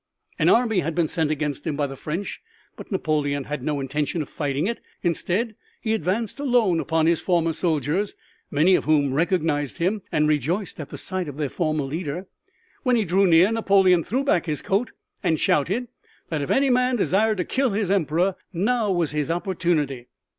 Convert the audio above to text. An army had been sent against him by the French, but Napoleon had no intention of fighting it. Instead he advanced alone upon his former soldiers, many of whom recognized him and rejoiced at a sight of their former leader. When he drew near Napoleon threw back his coat and shouted that if any man desired to kill his Emperor now was his opportunity.